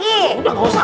udah nggak usah